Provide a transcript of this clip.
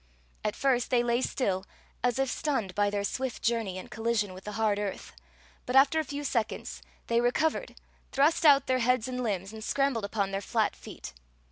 At first they lay still, as if stunned by their swift journey ami collision with die hard eardi ; but sAer a few seconds they recovered, thrust out their heads and limbs, and scrambled upon their flat feet.